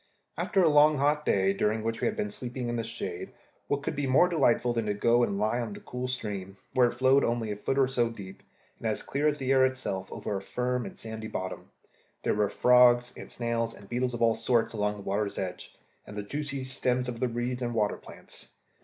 After a long hot day, during which we had been sleeping in the shade, what could be more delightful than to go and lie in the cool stream, where it flowed only a foot or so deep, and as clear as the air itself, over a firm sandy bottom? There were frogs, and snails, and beetles of all sorts, along the water's edge, and the juicy stems of the reeds and water plants.